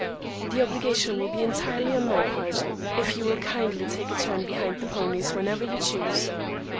The obligation will be entirely on my part, if you will kindly take a turn behind the ponies whenever you choose.